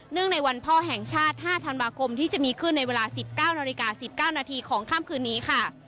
ในวันพ่อแห่งชาติ๕ธันวาคมที่จะมีขึ้นในเวลา๑๙นาฬิกา๑๙นาทีของค่ำคืนนี้ค่ะ